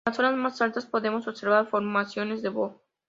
En las zonas más altas podemos observar formaciones de boj.